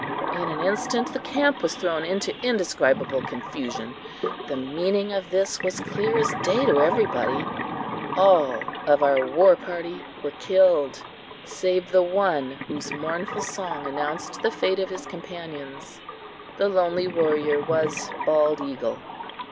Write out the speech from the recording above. In an instant the camp was thrown into indescribable confusion. The meaning of this was clear as day to everybody all of our war party were killed, save the one whose mournful song announced the fate of his companions. The lonely warrior was Bald Eagle.